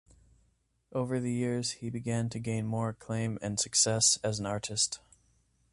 Over the years he began to gain more acclaim and success as an artist.